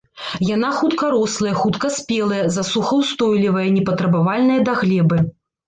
Яна хуткарослая, хуткаспелая, засухаўстойлівая, непатрабавальная да глебы.